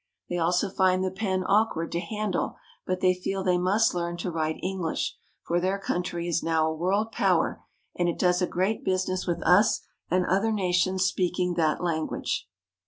They also find the pen awk ward to handle, but they feel they must learn to write English; for their country is now a world power, and it does a great business with us and other nations speaking that language.